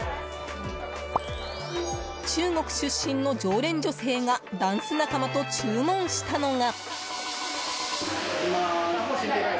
中国出身の常連女性がダンス仲間と注文したのが。